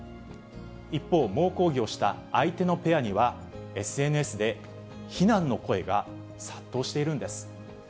一方、猛抗議をした相手のペアには、ＳＮＳで非難の声が殺到しているんです。